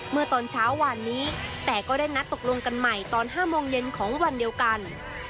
เมื่อตอนเช้าหวานนี้แต่ก็ได้นัดตกลงกันใหม่ตอน๕โมงเย็นของวันเดียวกัน